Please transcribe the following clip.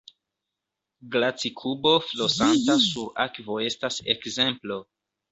Glaci-kubo flosanta sur akvo estas ekzemplo.